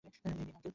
এই নিন, আঙ্কেল।